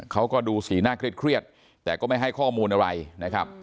เขาก็ดูสีหน้าเครียดแต่ก็ไม่ให้ข้อมูลอะไรนะครับ